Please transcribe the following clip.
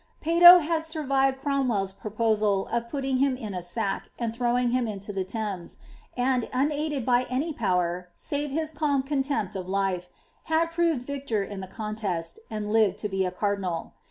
Peyto had survived CromwelPs proposal of putting him in a sack, and throwing liim into the Thames; and, unaided by any power, save his calm contempt of life, had proved vitttor in the contest, and lived to be a cardinal.